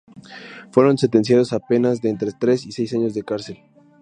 Fueron sentenciados a penas de entre tres y seis años de cárcel.